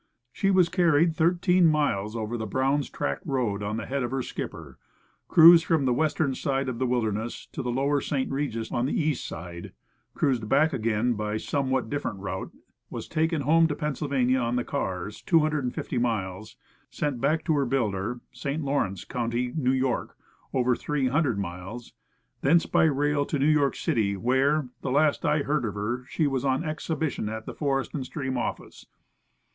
She was carried thirteen miles over the Brown's Tract road on the head of her skipper, cruised from the western side of the Wilder ness to the Lower St. Regis on the east side, cruised back again by a somewhat different route, was taken home to Pennsylvania on the cars, 250 miles, sent back to her builder, St. Lawrence county, N. Y.,over 300 miles, thence by rail to New York City, where, A Light Canoe, 131 the last I heard of her, she was on exhibition at the Forest and Stream office.